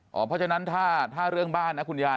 เพราะฉะนั้นถ้าเรื่องบ้านนะคุณยาย